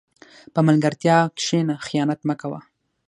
په ملګرتیا کښېنه، خیانت مه کوه.